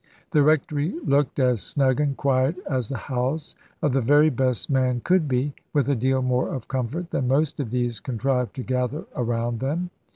The Rectory looked as snug and quiet as the house of the very best man could be; with a deal more of comfort than most of these contrive to gather around them.